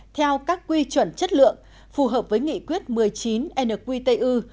theo các quy chuẩn chất lượng phù hợp với nghị quyết một mươi chín nqtu